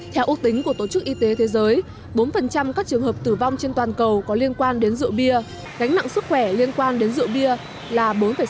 theo ước tính của tổ chức y tế thế giới bốn các trường hợp tử vong trên toàn cầu có liên quan đến rượu bia gánh nặng sức khỏe liên quan đến rượu bia là bốn sáu